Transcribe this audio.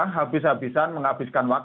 habis habisan menghabiskan wajar